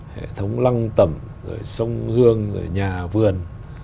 hệ thống lăng tẩm sông gương nhà vườn